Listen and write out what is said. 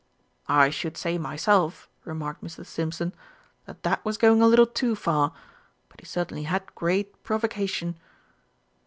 "I should say myself," remarked Mr. Stimpson, "that that was going a little too far. But he certainly had great provocation."